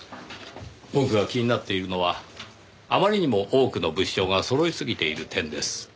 僕が気になっているのはあまりにも多くの物証がそろいすぎている点です。